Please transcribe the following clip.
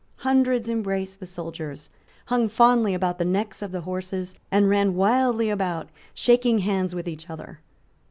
Hundreds embraced the soldiers, hung fondly about the necks of the horses, and ran wildly about, shaking hands with each other.